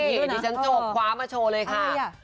นี่ที่ฉันโจ๊กคว้ามาโชว์เลยค่ะ